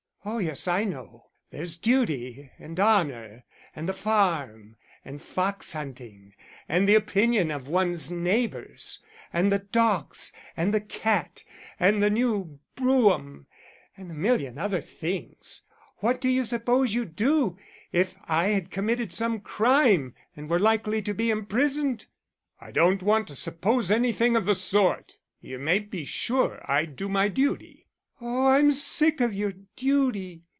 "Oh yes, I know there's duty and honour, and the farm, and fox hunting, and the opinion of one's neighbours, and the dogs and the cat, and the new brougham, and a million other things.... What do you suppose you'd do if I had committed some crime and were likely to be imprisoned?" "I don't want to suppose anything of the sort. You may be sure I'd do my duty." "Oh, I'm sick of your duty.